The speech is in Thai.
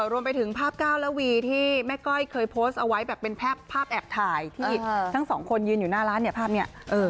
รวมไปถึงภาพก้าวและวีที่แม่ก้อยเคยโพสต์เอาไว้แบบเป็นภาพแอบถ่ายที่ทั้งสองคนยืนอยู่หน้าร้านเนี่ยภาพนี้